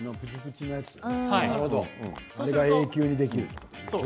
これは永久にできる。